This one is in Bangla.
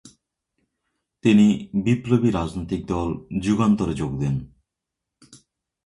তিনি বিপ্লবী রাজনৈতিক দল যুগান্তরে'' যোগ দেন।